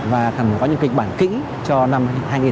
và cần có những kịch bản kỹ cho năm hai nghìn hai mươi